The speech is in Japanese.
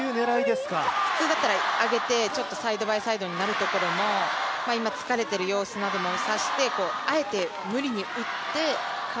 普通だったら、上げて、ちょっとサイドバイサイドになるところも、今、疲れている様子なども察して、あえて無理に打って賈